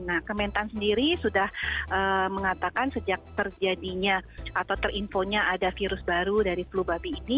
nah kementan sendiri sudah mengatakan sejak terjadinya atau terinfonya ada virus baru dari flu babi ini